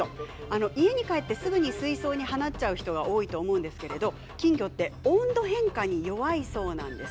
家に帰ってすぐに水槽に放っちゃう人が多いと思うんですけれども金魚って温度変化に弱いそうなんです。